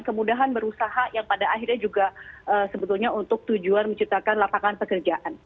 kemudahan berusaha yang pada akhirnya juga sebetulnya untuk tujuan menciptakan lapangan pekerjaan